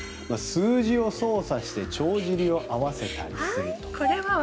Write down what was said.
数字を操作して帳尻を合わせたりすると。